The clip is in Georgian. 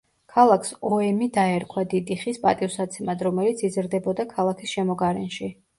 ქალაქს ოემი დაერქვა დიდი ხის პატივსაცემად, რომელიც იზრდებოდა ქალაქის შემოგარენში.